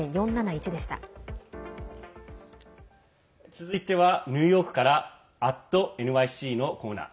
続いてはニューヨークから「＠ｎｙｃ」のコーナー。